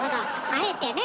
あえてね！